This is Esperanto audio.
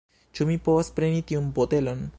Ĉu mi povas preni tiun botelon?